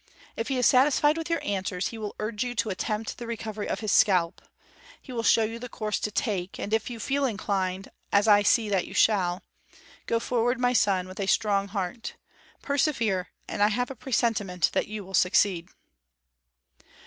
If he is satisfied with your answers, he will urge you to attempt the recovery of his scalp. He will show you the course to take, and if you feel inclined, as I see that you shall, go forward, my son, with a strong heart; persevere, and I have a presentiment that you will succeed."